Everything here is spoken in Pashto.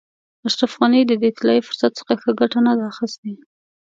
اشرف غني د دې طلایي فرصت څخه ښه ګټه نه ده اخیستې.